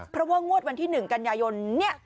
เพราะว่างวัดวันที่๑กัญญายน